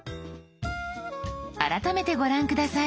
改めてご覧下さい。